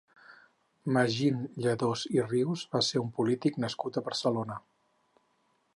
Magín Lladós i Rius va ser un polític nascut a Barcelona.